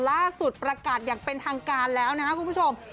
ล่าสุดประกาศอย่างเป็นทางการแล้วนะครับคุณผู้ชม